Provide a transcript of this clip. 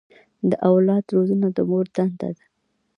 د اولاد روزنه د مور دنده ده.